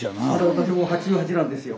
私も８８なんですよ。